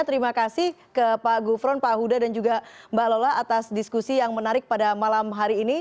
terima kasih ke pak gufron pak huda dan juga mbak lola atas diskusi yang menarik pada malam hari ini